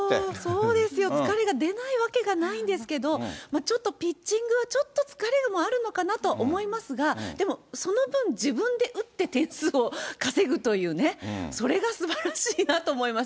そうですよ、疲れが出ないわけがないんですけど、ちょっとピッチングは、ちょっと疲れもあるのかなとは思いますが、でもその分、自分で打って、点数を稼ぐというね、それがすばらしいなと思います。